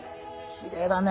きれいだね！